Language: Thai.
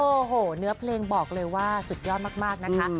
โอ้โหเนื้อเพลงบอกเลยว่าสุดยอดมากนะคะ